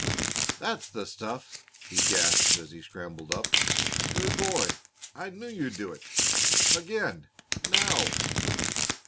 "That's the stuff," he gasped as he scrambled up. "Good boy! I knew you'd do it. Again, now!"